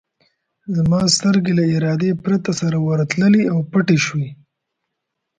زما سترګې له ارادې پرته سره ورتللې او پټې شوې.